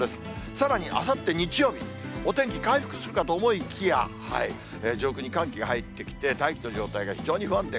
さらにあさって日曜日、お天気回復するかと思いきや、上空に寒気が入ってきて、大気の状態が非常に不安定。